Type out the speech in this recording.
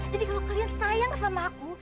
jadi kalau kalian sayang sama aku